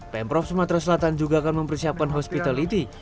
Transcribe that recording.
pemprov sumatera selatan juga akan mempersiapkan hospitality